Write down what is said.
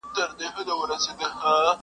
کعبه د ابراهیم راڅخه ورکه سوه خاونده؛